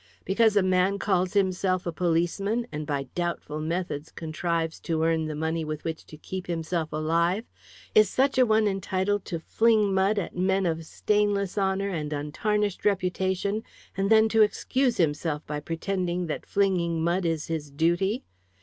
Because a man calls himself a policeman, and by doubtful methods contrives to earn the money with which to keep himself alive, is such an one entitled to fling mud at men of stainless honour and untarnished reputation, and then to excuse himself by pretending that flinging mud is his duty?